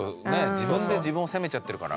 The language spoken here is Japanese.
自分で自分を責めちゃってるから。